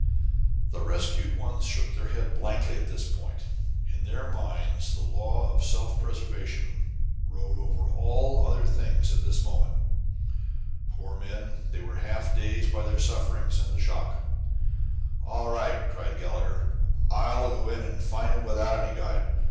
The rescued ones shook their heads blankly at this; in their minds the law of self preservation rode over all other things at this moment. Poor men, they were half dazed by their sufferings and the shock! [Illustration: SAVING THE MEN OF THE "BREMEN."] "All right," cried Gallagher; "I'll go in and find 'em without any guide.